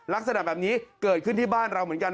ลักษณะแบบนี้เกิดขึ้นที่บ้านเราเหมือนกัน